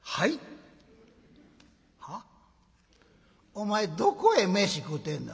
「お前どこへ飯食うてんねん。